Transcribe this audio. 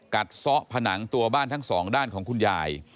ซ้อผนังตัวบ้านทั้งสองด้านของคุณยาย